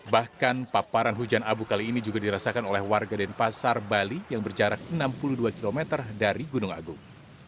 bahkan paparan hujan abu kali ini juga dirasakan oleh warga denpasar bali yang berjarak enam puluh dua km dari gunung agung